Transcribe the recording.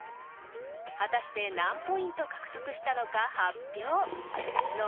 ［果たして何ポイント獲得したのか発表］